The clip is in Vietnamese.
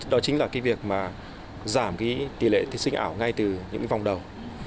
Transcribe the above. đó chính là cái việc mà giảm cái tỷ lệ thí sinh ảo ngay từ những vòng đầu